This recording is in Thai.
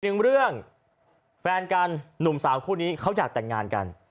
หนึ่งเรื่องแฟนกันหนุ่มสาวคู่นี้เขาอยากแต่งงานกัน